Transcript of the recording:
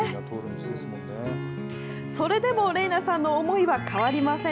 それでも伶奈さんの思いは変わりません。